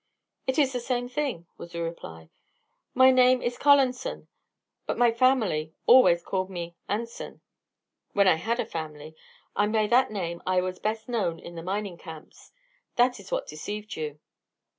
"It is the same thing," was the reply. "My name is Collanson but my family always called me 'Anson', when I had a family and by that name I was best known in the mining camps. That is what deceived you."